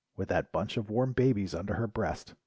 With that bunch of warm babies under her breast.